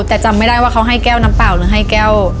แต่จำไม่ได้ว่าเขาให้แก้วน้ำเปล่าหรือให้แก้ว